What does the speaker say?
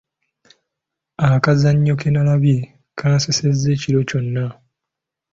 Akazannyo ke nnalabye kansesezza ekiro kyonna.